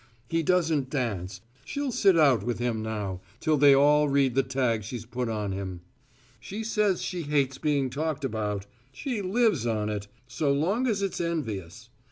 He doesn't dance: she'll sit out with him now, till they all read the tag she's put on him. She says she hates being talked about. She lives on it! so long as it's envious.